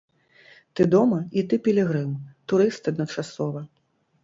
Ты дома і ты пілігрым, турыст адначасова.